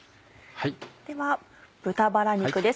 では豚バラ肉です。